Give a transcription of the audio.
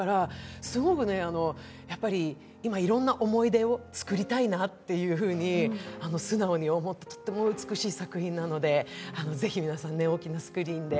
すごく今いろんな思い出をつくりたいなと素直に、とっても美しい作品なのでぜひ皆さん、大きなスクリーンで。